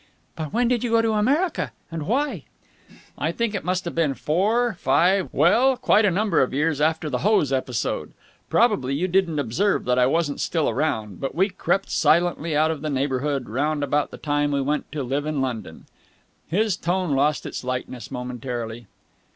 "But when did you go to America? And why?" "I think it must have been four five well, quite a number of years after the hose episode. Probably you didn't observe that I wasn't still around, but we crept silently out of the neighbourhood round about that time and went to live in London." His tone lost its lightness momentarily.